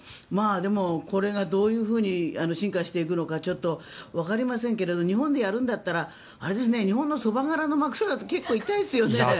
でも、これがどういうふうに進化していくのかちょっとわかりませんけれど日本でやるんだったら日本のそば殻の枕だと結構痛いですよね。